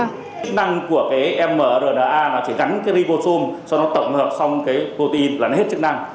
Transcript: chức năng của mrna chỉ gắn ribosome tổng hợp xong protein là hết chức năng